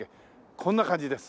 こんな感じです。